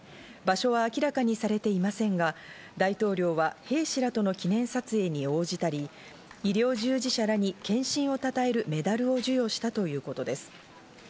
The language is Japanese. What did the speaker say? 場所は明らかにされていませんが、大統領は兵士らとの記念撮影に応じたり、医療従事者らに献身をたたえるメダルを授与したということです。